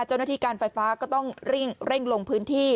เจ้าหน้าที่การไฟฟ้าก็ต้องเร่งลงพื้นที่